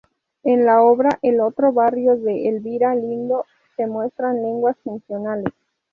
En la obra "El otro barrio", de Elvira Lindo, se muestran lenguas funcionales.